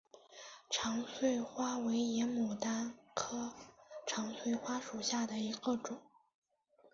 长穗花为野牡丹科长穗花属下的一个种。